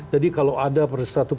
jadi kalau ada satu